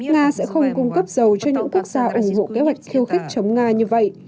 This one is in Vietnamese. nga sẽ không cung cấp dầu cho những quốc gia ủng hộ kế hoạch khiêu khích chống nga như vậy